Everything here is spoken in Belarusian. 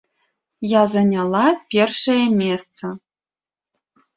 Я заняла першае месца.